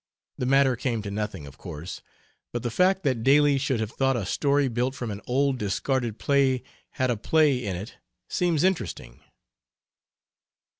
The matter came to nothing, of course, but the fact that Daly should have thought a story built from an old discarded play had a play in it seems interesting.